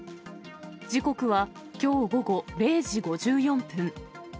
時刻はきょう午後０時５４分。